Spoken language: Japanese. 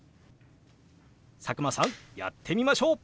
佐久間さんやってみましょう！